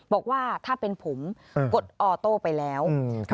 บอกว่าถ้าเป็นผมกดออโต้ไปแล้ว